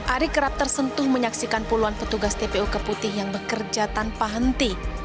ari kerap tersentuh menyaksikan puluhan petugas tpu keputih yang bekerja tanpa henti